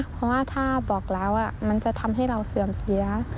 เพราะว่าถ้าบอกแล้วมันจะทำให้เราเสื่อมเสีย